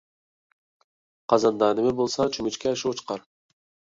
قازاندا نىمە بولسا چۆمۈچكە شۇ چىقار.